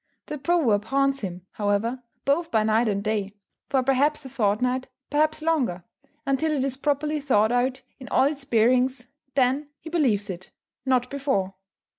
The proverb haunts him, however, both by night and day, for perhaps a fortnight, perhaps longer, until it is properly thought out in all its bearings; then he believes it not before.